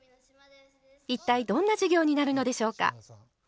一体どんな授業になるのでしょうか？